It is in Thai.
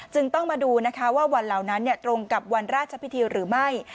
ต้องมาดูนะคะว่าวันเหล่านั้นตรงกับวันราชพิธีหรือไม่